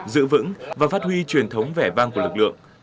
giữ vững và phát huy truyền thống vẻ vang của lực lượng